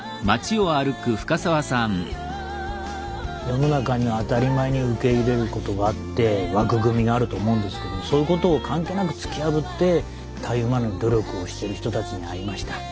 世の中には当たり前に受け入れることがあって枠組みがあると思うんですけどそういうことを関係なく突き破ってたゆまぬ努力をしてる人たちに会いました。